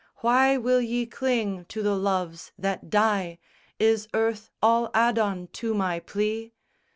Why will ye cling to the loves that die? Is earth all Adon to my plea?